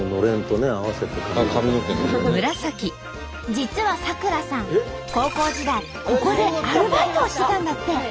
実は咲楽さん高校時代ここでアルバイトをしてたんだって！